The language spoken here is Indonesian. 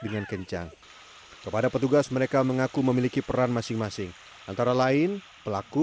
dengan kencang kepada petugas mereka mengaku memiliki peran masing masing antara lain pelaku